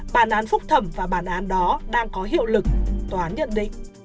bản án phúc thẩm và bản án đó đang có hiệu lực tòa án nhận định